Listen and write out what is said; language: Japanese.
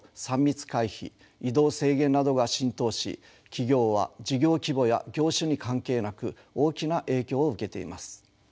三密回避移動制限などが浸透し企業は事業規模や業種に関係なく大きな影響を受けています。